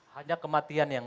hanya kematian yang